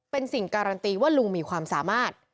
เป็นสิ่งการันตีว่าลุงมีความสามารถ